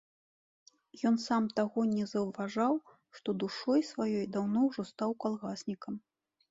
Ён сам таго не заўважаў, што душой сваёй даўно ўжо стаў калгаснікам.